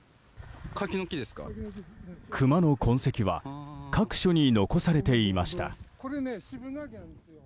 クマの痕跡は各所に残されていました。